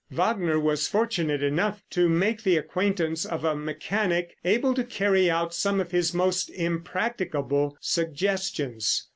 Wagner was fortunate enough to make the acquaintance of a mechanic able to carry out some of his most impracticable suggestions.